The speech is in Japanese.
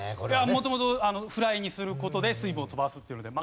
元々フライにする事で水分を飛ばすっていうので。